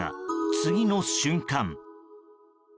次の瞬間。